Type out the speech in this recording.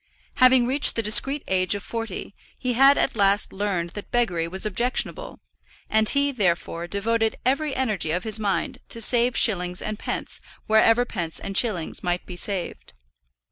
Having reached the discreet age of forty, he had at last learned that beggary was objectionable; and he, therefore, devoted every energy of his mind to saving shillings and pence wherever pence and shillings might be saved.